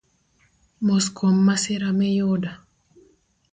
Mos kuom masira miyudo